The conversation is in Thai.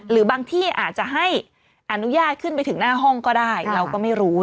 หรือบางที่อาจจะให้อนุญาตขึ้นไปถึงหน้าห้องก็ได้เราก็ไม่รู้